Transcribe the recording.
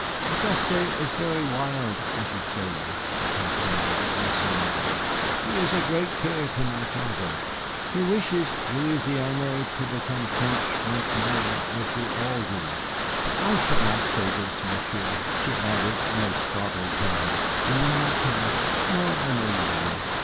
"Auguste is very wild, as you say," she continued, addressing me, "he is a great care to my father. He intrigues, you know, he wishes Louisiane to become French once more, as we all do. But I should not say this, Monsieur," she added in a startled tone. "You will not tell? No, I know you will not.